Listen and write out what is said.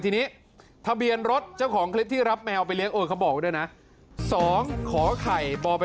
ที่นี้ทะเบียนรถที่รับแมวไปเลี้ยงเอ่อเขาบอกแล้วก็ได้นะ